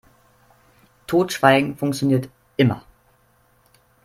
Totschweigen funktioniert immer.